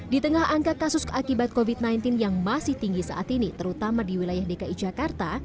di tengah angka kasus akibat covid sembilan belas yang masih tinggi saat ini terutama di wilayah dki jakarta